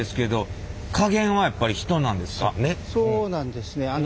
そうなんですね。